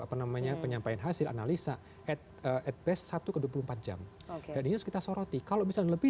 apa namanya penyampaian hasil analisa at at best satu ke dua puluh empat jam dan ini harus kita soroti kalau misalnya lebih